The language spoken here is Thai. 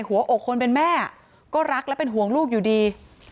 หัวอกคนเป็นแม่ก็รักและเป็นห่วงลูกอยู่ดี